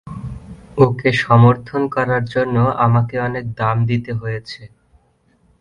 ওকে সমর্থন করার জন্য আমাকে অনেক দাম দিতে হয়েছে।